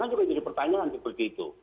kan juga jadi pertanyaan seperti itu